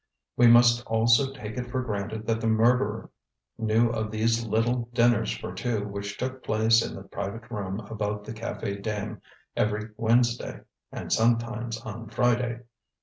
We must also take it for granted that the murderer knew of these little dinners for two which took place in the private room above the Cafe Dame every Wednesday and sometimes on Friday.